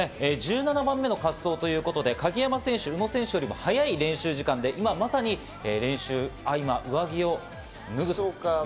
１７番目の滑走ということで鍵山選手、宇野選手よりも早い練習時間でまさに今、上着を脱ぐところ。